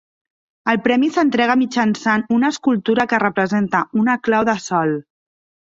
El premi s'entrega mitjançant una escultura que representa una clau de sol.